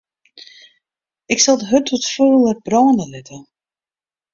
Ik sil de hurd wat fûler brâne litte.